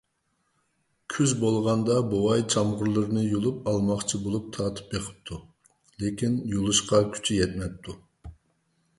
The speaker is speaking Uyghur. كۈز بولغاندا، بوۋاي چامغۇرلىرىنى يۇلۇپ ئالماقچى بولۇپ تارتىپ بېقىپتۇ، لېكىن يۇلۇشقا كۈچى يەتمەپتۇ.